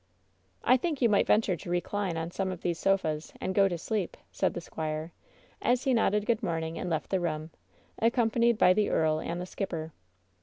"I think you might venture to recline on some of these sofas and go to sleep," said the squire, as he nodded good morning and left the room, accompanied by the earl and the skipper.